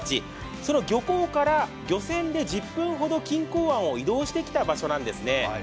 その漁港から漁船で１０分ほど錦江湾を移動してきた場所なんですね。